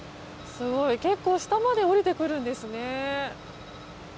結構下まで下りてくるんですね。